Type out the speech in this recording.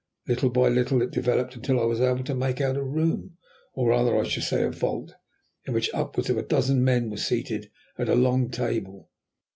Little by little it developed until I was able to make out a room, or rather I should say a vault, in which upwards of a dozen men were seated at a long table.